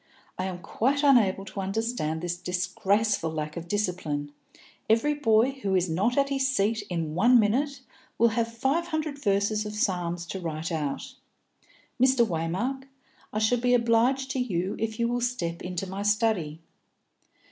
I am quite unable to understand this disgraceful lack of discipline. Every boy who is not at his seat in one minute will have five hundred verses of the Psalms to write out! Mr. Waymark, I shall be obliged to you if you will step into my study."